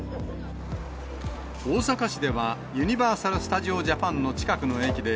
大阪市ではユニバーサル・スタジオ・ジャパンの近くの駅で、